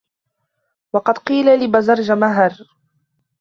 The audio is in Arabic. وَقَدْ قِيلَ لِبَزَرْجَمْهَرَ